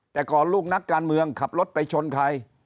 แต่ก่อนลูกนักการเมืองขับรถไปชนใคร